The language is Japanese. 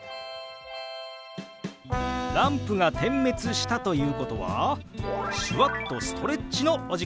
ランプが点滅したということは手話っとストレッチのお時間です！